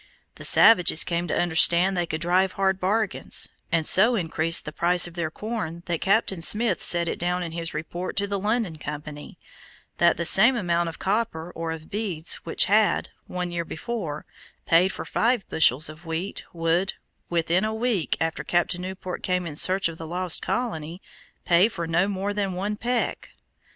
The savages came to understand they could drive hard bargains, and so increased the price of their corn that Captain Smith set it down in his report to the London Company, that the same amount of copper, or of beads, which had, one year before, paid for five bushels of wheat, would, within a week after Captain Newport came in search of the lost colony, pay for no more than one peck.